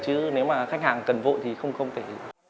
chứ nếu mà khách hàng cần vội thì không thể